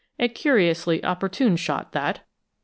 A curiously opportune shot that!